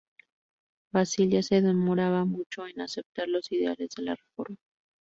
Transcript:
Basilea se demoraba mucho en aceptar los ideales de la Reforma.